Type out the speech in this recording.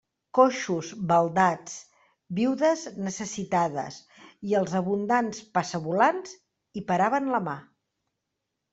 Coixos, baldats, viudes necessitades i els abundants passavolants, hi paraven la mà.